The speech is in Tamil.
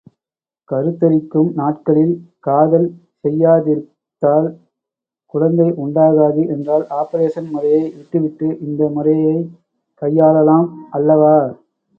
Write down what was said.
கருத்தரிக்கும் நாட்களில் காதல் செய்யாதிருக்தால் குழந்தை உண்டாகாது என்றால் ஆப்பரேஷன் முறையை விட்டுவிட்டு இந்த முறையைக் கையாளலாம் அல்லவா?